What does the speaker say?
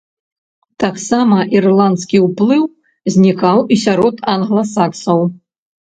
Таксама ірландскі ўплыў знікаў і сярод англасаксаў.